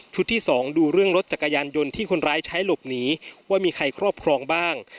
ที่สองดูเรื่องรถจักรยานยนต์ที่คนร้ายใช้หลบหนีว่ามีใครครอบครองบ้าง